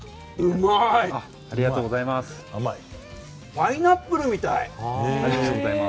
パイナップルみたい。